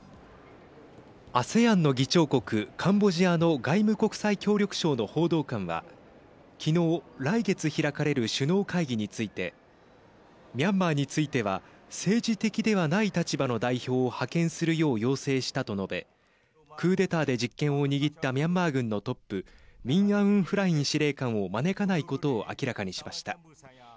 ＡＳＥＡＮの議長国カンボジアの外務国際協力省の報道官は昨日来月開かれる首脳会議についてミャンマーについては政治的ではない立場の代表を派遣するよう要請したと述べクーデターで実権を握ったミャンマー軍のトップミン・アウン・フライン司令官を招かないことを明らかにしました。